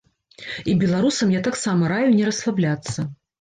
І беларусам я таксама раю не расслабляцца.